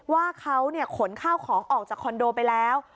ว่าเขาขนข้าวของออกจากคอนโดไปแล้ว